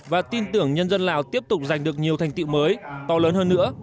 và tin tưởng nhân dân lào tiếp tục giành được nhiều thành tiệu mới to lớn hơn nữa